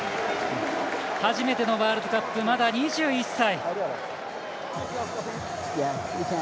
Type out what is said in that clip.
初めてのワールドカップまだ２１歳。